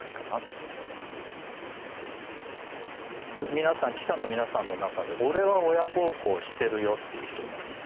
みなさん記者のみなさんの中でおれは親孝行してるよっていう人いますか？